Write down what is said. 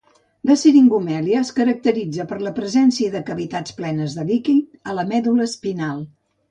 La siringomièlia es caracteritza per la presència de cavitats plenes de líquid a la medul·la espinal.